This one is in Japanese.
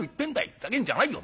ふざけんじゃないよ。